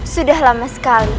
sudah lama sekali